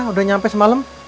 udah nyampe semalam